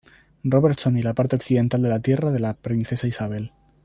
Robertson, y la parte occidental de la Tierra de la Princesa Isabel.